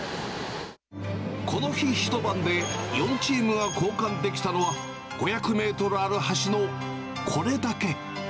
この日、一晩で４チームが交換できたのは、５００メートルある橋のこれだけ。